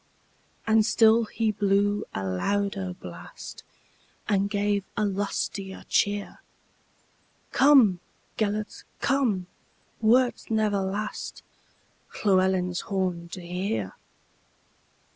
And still he blew a louder blast, And gave a lustier cheer:"Come, Gêlert, come, wert never lastLlewelyn's horn to hear.